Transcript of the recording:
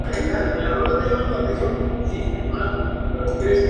Una fecha inicial había sido dada para septiembre, pero esta fue modificada posteriormente.